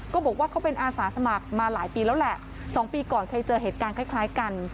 บอกว่าเขาเป็นอาสาสมัครมาหลายปีแล้วแหละ๒ปีก่อนเคยเจอเหตุการณ์คล้ายกัน